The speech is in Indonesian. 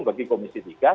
bagi komisi tiga